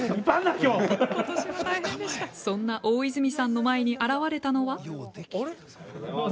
そんな大泉さんの前に現れたのは。